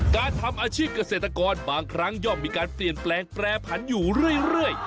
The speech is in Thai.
การทำอาชีพเกษตรกรบางครั้งย่อมมีการเปลี่ยนแปลงแปรผันอยู่เรื่อย